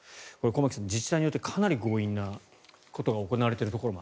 駒木さん、自治体によってかなり強引なことが行われていると。